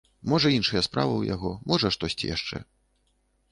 Можа іншыя справы ў яго, можа штосьці яшчэ.